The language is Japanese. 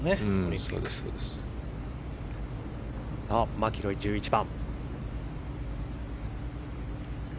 マキロイ、１１番。